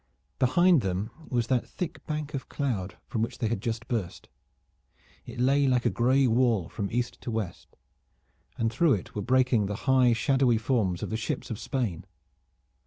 Behind them was that thick bank of cloud from which they had just burst. It lay like a gray wall from east to west, and through it were breaking the high shadowy forms of the ships of Spain.